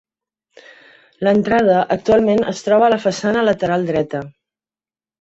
L’entrada actualment es troba a la façana lateral dreta.